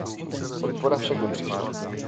Podpora však nepřišla.